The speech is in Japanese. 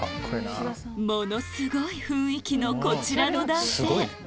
ものすごい雰囲気のこちらの男性